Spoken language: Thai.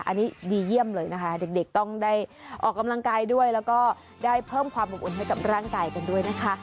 อันนี้ดีเยี่ยมเลยนะคะเด็กต้องได้ออกกำลังกายด้วยแล้วก็ได้เพิ่มความอบอุ่นให้กับร่างกายกันด้วยนะคะ